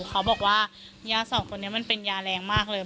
เขาบอกว่ายาสองคนนี้มันเป็นยาแรงมากเลย